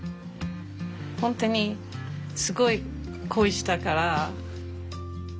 本当にすごい恋したから。